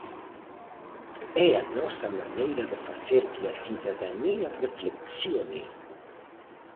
É a nosa maneira de facer que a cidadanía reflexione.